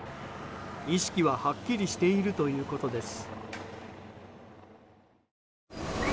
意識ははっきりしているということです。